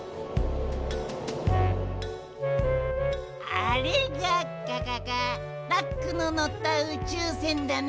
あれががががラックののったうちゅうせんだな？